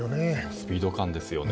スピード感ですよね。